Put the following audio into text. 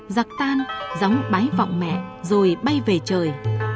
giặc tan gióng bái vọng mẹ rồi bay về trời